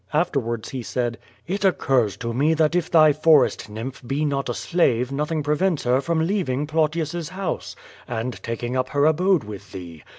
Afterwards he said: "It occurs to me that if thy forest nymph be not a slave nothing prevents her from leaving Plautius's house, and tak ing up her abode with thee.